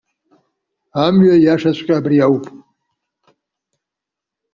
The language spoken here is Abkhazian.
Амҩа иашаҵәҟьа абри ауп.